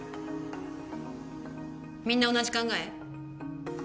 みんな同じ考え？